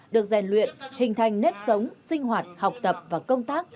được rèn luyện hình thành nếp sống sinh hoạt học tập và công tác